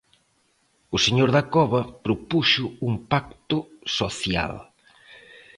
O señor Dacova propuxo un pacto social.